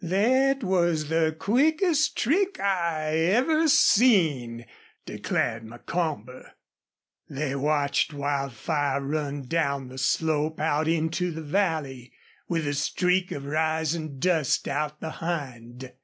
"Thet was the quickest trick I ever seen," declared Macomber. They watched Wildfire run down the slope, out into the valley, with a streak of rising dust out behind.